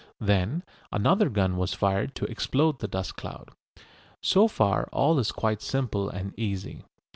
Then another gun was fired to explode the dust cloud. So far all is quite simple and easy.